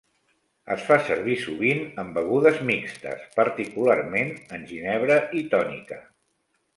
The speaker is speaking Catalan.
Es fa servir sovint en begudes mixtes, particularment en ginebra i tònica.